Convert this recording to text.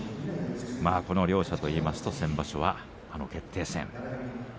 この両者といいますと先場所は決定戦。